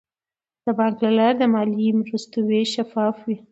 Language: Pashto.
د بانک له لارې د مالي مرستو ویش شفاف وي.